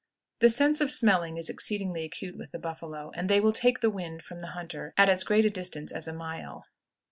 The sense of smelling is exceedingly acute with the buffalo, and they will take the wind from the hunter at as great a distance as a mile.